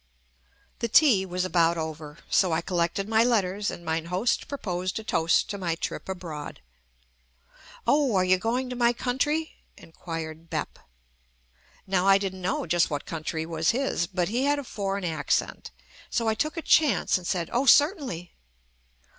The tea was about over, so I collected my letters and mine host proposed a toast to my trip abroad. "Oh, are you going to my coun try?" inquired "Bep." Now I didn't know JUST ME just what country was his, but he had a for eign accent, so I took a chance and said "Oh, certainly.